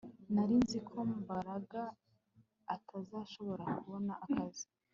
Nari nzi ko Mbaraga atazashobora kubona akazi